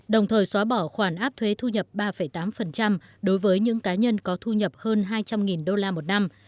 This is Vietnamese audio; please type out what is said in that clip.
đồng thời xóa bỏ khoản áp thuế thu nhập ba tám đối với những cá nhân có thu nhập hơn hai trăm linh đô la một năm